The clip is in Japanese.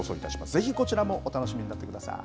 ぜひこちらもお楽しみになってください。